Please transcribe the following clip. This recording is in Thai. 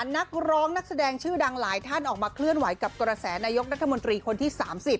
นักร้องนักแสดงชื่อดังหลายท่านออกมาเคลื่อนไหวกับกระแสนายกรัฐมนตรีคนที่๓๐